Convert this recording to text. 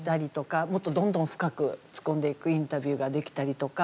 もっとどんどん深く突っ込んでいくインタビューができたりとか。